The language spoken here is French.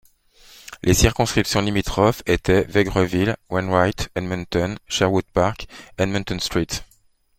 Les circonscriptions limitrophes étaient Vegreville—Wainwright, Edmonton—Sherwood Park, Edmonton—St.